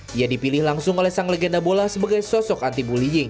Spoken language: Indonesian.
dia dipilih langsung oleh sang legenda bola sebagai sosok anti bullying